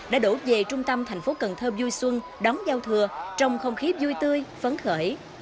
đã đổ về trung tâm thành phố cần thơ vui xuân đón giao thừa trong không khí vui tươi phấn khởi